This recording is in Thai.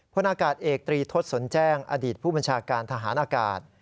นากาศเอกตรีทศสนแจ้งอดีตผู้บัญชาการทหารอากาศ